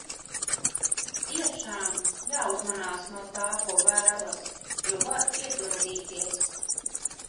Tiešām, jāuzmanās no tā, ko vēlas, jo var piepildīties.